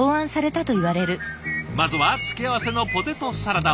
まずは付け合わせのポテトサラダを。